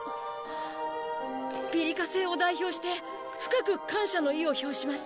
ピリカ星を代表して深く感謝の意を表します。